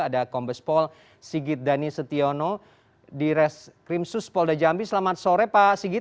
ada kombespol sigit dhani setiono di reskrimsus polda jambi selamat sore pak sigit